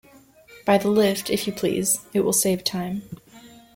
By the lift, if you please; it will save time.